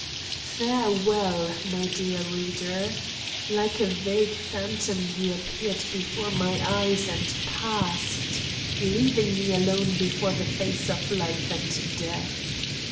Farewell, my dear reader! Like a vague phantom you appeared before my eyes and passed, leaving me alone before the face of life and death.